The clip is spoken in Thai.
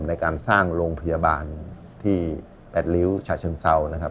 ในการสร้างโรงพยาบาลที่๘ริ้วฉะเชิงเศร้านะครับ